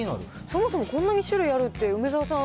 そもそもこんなに種類あるって、梅沢さん。